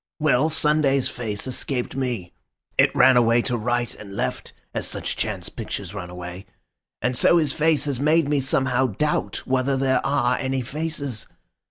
Well, Sunday's face escaped me; it ran away to right and left, as such chance pictures run away. And so his face has made me, somehow, doubt whether there are any faces.